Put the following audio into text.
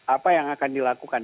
apa yang akan dilakukan